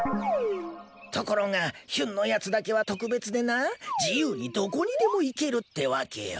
ところがヒュンのやつだけは特別でな自由にどこにでも行けるってわけよ。